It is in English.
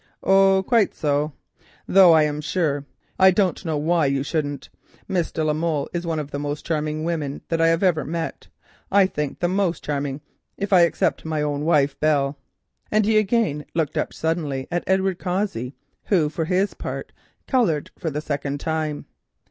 "Oh, quite so, though I'm sure I don't know why you shouldn't. Miss de la Molle is one of the most charming women that I ever met, I think the most charming except my own wife Belle," and he again looked up suddenly at Edward Cossey who, for his part, coloured for the second time.